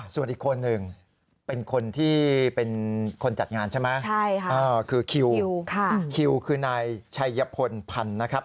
ส่วนอีกคนหนึ่งเป็นคนที่เป็นคนจัดงานใช่ไหมคือคิวคิวคือนายชัยพลพันธ์นะครับ